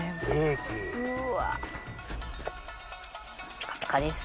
ピカピカです。